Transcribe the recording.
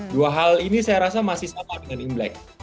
dua hal ini saya rasa masih sama dengan imlek